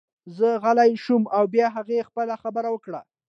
زه غلی شوم او بیا هغې خپله خبره وکړه